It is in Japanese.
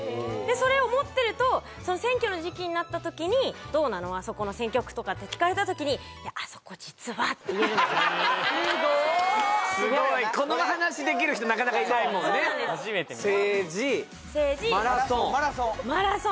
それを持ってると選挙の時期になったときに「どうなのあそこの選挙区？」とかって聞かれたときに「いやあそこ実は」って言えるんですすごいこの話できる人なかなかいないもんね政治マラソン政治マラソン！